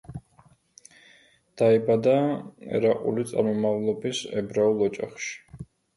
დაიბადა ერაყული წარმომავლობის ებრაულ ოჯახში.